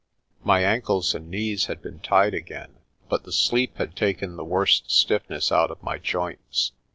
My ankles and knees had been tied again, but the sleep had taken the worst stiffness out of my joints.